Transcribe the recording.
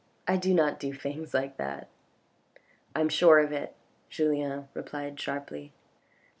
" I do not do things like that." " I am sure of it," Julien replied sharply.